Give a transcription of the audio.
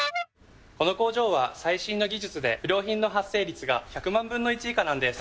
この工場は最新の技術で不良品の発生率が１００万分の１以下なんです。